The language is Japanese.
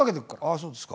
そうですか。